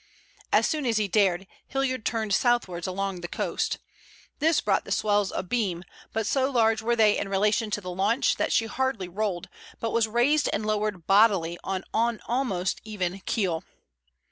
As soon as he dared Hilliard turned southwards along the coast. This brought the swells abeam, but so large were they in relation to the launch that she hardly rolled, but was raised and lowered bodily on an almost even keel.